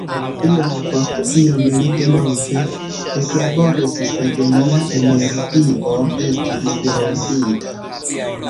Iom post iom li denove eklaboris sed lia energio estis rompita.